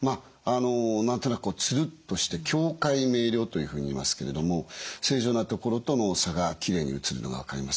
何となくつるっとして境界明瞭というふうにいいますけれども正常な所との差がきれいに写るのが分かります。